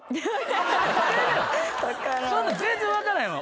そんなん全然分からへんわ。